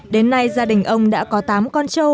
đến nay gia đình ông đã có tám con trâu